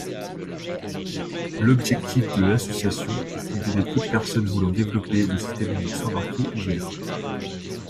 L'objectif de l'association est d'aider toute personne voulant développer des systèmes Linux embarqués ouverts.